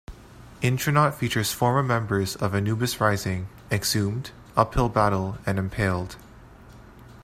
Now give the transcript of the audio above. Intronaut features former members of Anubis Rising, Exhumed, Uphill Battle, and Impaled.